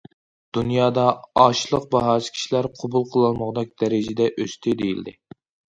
دۇنيادا ئاشلىق باھاسى كىشىلەر قوبۇل قىلالمىغۇدەك دەرىجىدە ئۆستى، دېيىلدى.